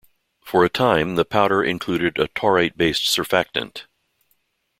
For a time the powder included a taurate-based surfactant.